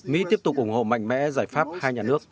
mỹ tiếp tục ủng hộ mạnh mẽ giải pháp hai nhà nước